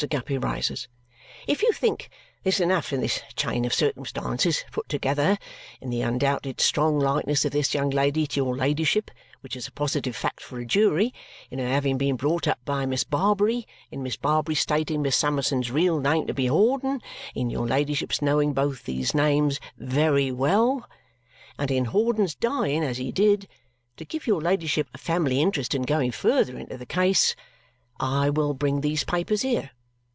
Guppy rises. "If you think there's enough in this chain of circumstances put together in the undoubted strong likeness of this young lady to your ladyship, which is a positive fact for a jury; in her having been brought up by Miss Barbary; in Miss Barbary stating Miss Summerson's real name to be Hawdon; in your ladyship's knowing both these names VERY WELL; and in Hawdon's dying as he did to give your ladyship a family interest in going further into the case, I will bring these papers here.